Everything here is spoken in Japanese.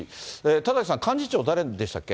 田崎さん、幹事長誰でしたっけ？